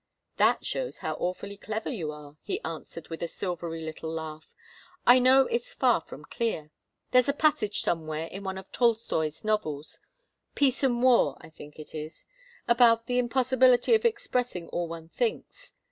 "That shows how awfully clever you are," he answered with a silvery little laugh. "I know it's far from clear. There's a passage somewhere in one of Tolstoi's novels 'Peace and War,' I think it is about the impossibility of expressing all one thinks.